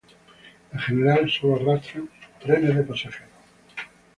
En general, sólo arrastran trenes de pasajeros.